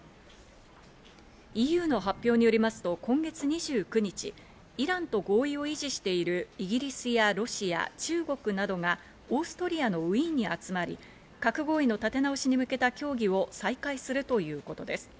ＥＵの発表によりますと今月２９日、イランと合意を維持しているイギリスやロシア、中国などがオーストリアのウィーンに集まり、核合意の立て直しに向けた協議を再開するということです。